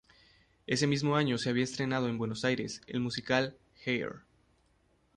Ese mismo año se había estrenado en Buenos Aires el musical "Hair".